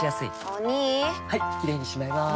お兄はいキレイにしまいます！